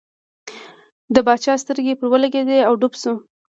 د باچا سترګې پر ولګېدې او ډوب شو.